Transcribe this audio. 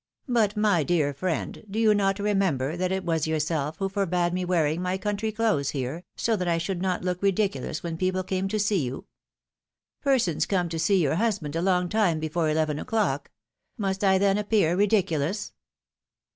But, my dear friend, do you not remember that it was yourself who forbade me wearing ray country clothes here, so that I should not look ridiculous when people came to see you ? Persons come to see your husband a long time before eleven o'clock ; must I then appear ridiculous?"